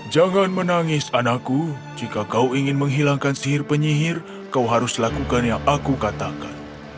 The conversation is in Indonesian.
jangan menangis anakku jika kau ingin menghilangkan sihir penyihir kau harus lakukan yang aku katakan